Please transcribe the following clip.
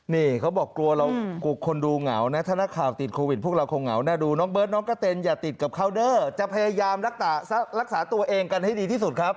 นี่เขาบอกกลัวเรากลัวคนดูเหงานะถ้านักข่าวติดโควิดพวกเราคงเหงาน่าดูน้องเบิร์ดน้องกระเต็นอย่าติดกับคาวเดอร์จะพยายามรักษาตัวเองกันให้ดีที่สุดครับ